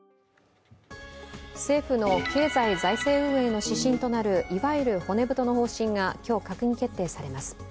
政府の経済財政運営の指針となるいわゆる骨太の方針が今日、閣議決定されます。